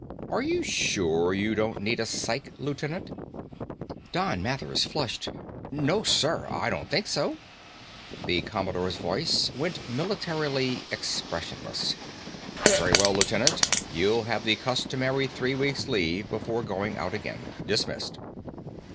Are you sure you don't need a psych, Lieutenant?" Don Mathers flushed. "No, sir, I don't think so." The Commodore's voice went militarily expressionless. "Very well, Lieutenant. You'll have the customary three weeks leave before going out again. Dismissed."